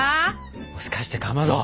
もしかしてかまど。